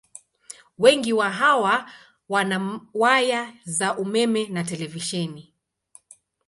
Wengi wa hawa wana waya za umeme na televisheni.